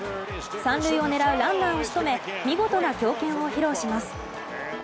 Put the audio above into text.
３塁を狙うランナーを仕留め見事な強肩を披露します。